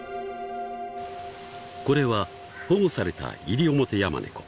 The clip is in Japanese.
［これは保護されたイリオモテヤマネコ］